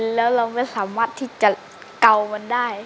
แล้วเราไม่สามารถที่จะเกามันได้